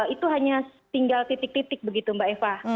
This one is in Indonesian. itu hanya tinggal titik titik begitu mbak eva